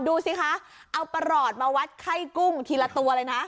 ดูสิคะเอาประหลอดมาวัดไข้กุ้งทีละตัวเลยนะ